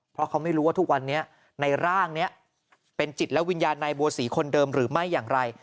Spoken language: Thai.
เพราะเขาไม่รู้ว่าทุกวันนี้ในร่างนี้เป็นจิตและวิญญาณนายบัวศรีคนเดิมหรือไม่อย่างไร